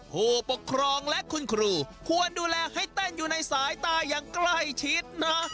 ผู้ปกครองและคุณครูควรดูแลให้เต้นอยู่ในสายตาอย่างใกล้ชิดนะ